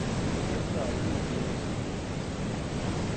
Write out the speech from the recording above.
Eu caí em um ciclo triste